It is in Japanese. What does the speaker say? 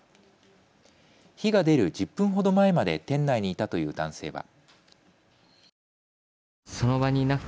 火が出る１０分ほど前まで店内にいたという男性は。